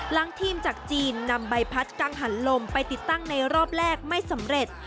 หลังทีมจากจีนนำใบพัดกังหันลมไปติดตั้งในรอบแรกไม่สำเร็จ